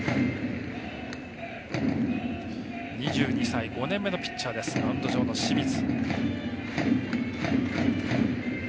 ２２歳、５年目のピッチャーマウンド上の清水。